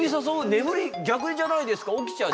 眠り逆じゃないですか。